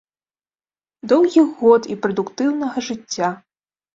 Доўгіх год і прадуктыўнага жыцця!